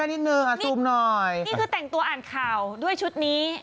นี่คือแต่งตัวทีอ่านข่าวด้วยชุดนี้